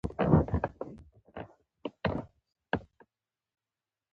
په الاهرام ورځپاڼه کې ولیکل.